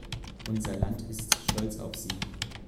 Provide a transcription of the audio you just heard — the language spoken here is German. Unser Land ist stolz auf Sie.